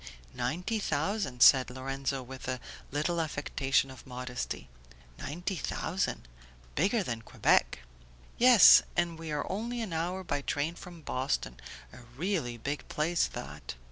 "Ninety thousand," said Lorenzo with a little affectation of modesty. "Ninety thousand! Bigger than Quebec!" "Yes, and we are only an hour by train from Boston. A really big place, that."